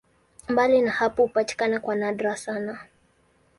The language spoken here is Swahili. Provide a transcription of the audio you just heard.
Mbali na hapo hupatikana kwa nadra sana.